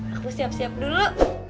aku siap siap dulu